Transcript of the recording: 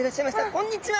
こんにちは。